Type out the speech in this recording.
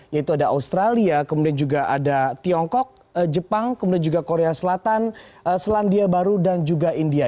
yaitu ada australia kemudian juga ada tiongkok jepang kemudian juga korea selatan selandia baru dan juga india